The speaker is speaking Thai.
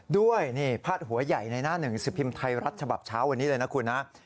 ด้วยนี่พาดหัวใหญ่ในหน้าหนึ่งสิบพิมพ์ไทยรัฐฉบับเช้าวันนี้เลยนะคุณนะ